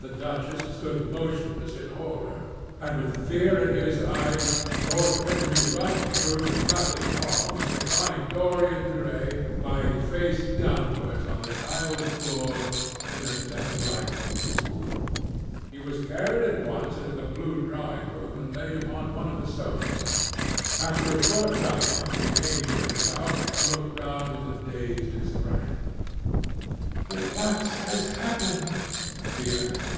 The duchess stood motionless in horror. And with fear in his eyes, Lord Henry rushed through the flapping palms to find Dorian Gray lying face downwards on the tiled floor in a deathlike swoon. He was carried at once into the blue drawing room and laid upon one of the sofas. After a short time, he came to himself and looked round with a dazed expression. "What has happened?" he asked.